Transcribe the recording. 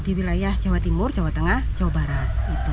di wilayah jawa timur jawa tengah jawa barat